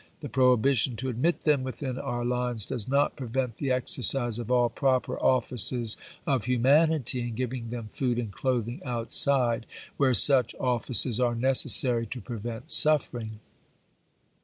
The prohibition to admit them within our lines does not prevent the exercise of all proper offices of humanity, in giving them food and cloth ing outside, where such offices are necessary to prevent suffering."